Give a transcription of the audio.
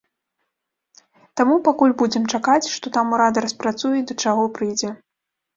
Таму пакуль будзем чакаць, што там урада распрацуе і да чаго прыйдзе.